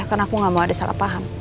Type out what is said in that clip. karena aku gak mau ada salah paham